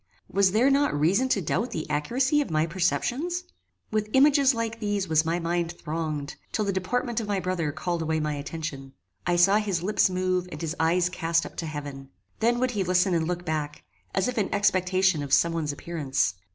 Was there not reason to doubt the accuracy of my perceptions? With images like these was my mind thronged, till the deportment of my brother called away my attention. I saw his lips move and his eyes cast up to heaven. Then would he listen and look back, as if in expectation of some one's appearance.